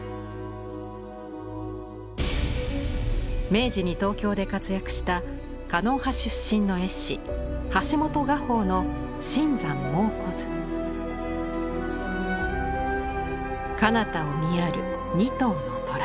明治に東京で活躍した狩野派出身の絵師かなたを見やる二頭の虎。